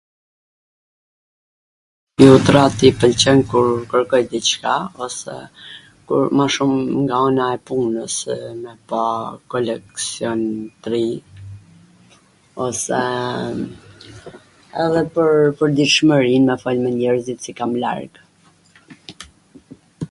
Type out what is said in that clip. flutrat i pwlqen kur kwrkoj diCka ose kur ma shum nga ana e punws se me pa koleksion t ri ose edhe pwr pwrditshmwrin apo edhe njerzit qw kam larg